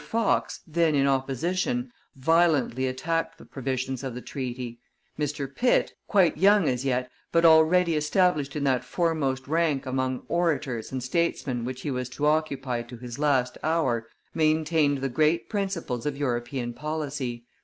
Fox, then in opposition, violently attacked the provisions of the treaty; Mr. Pitt, quite young as yet, but already established in that foremost rank among orators and statesmen which he was to occupy to his last hour, maintained the great principles of European policy.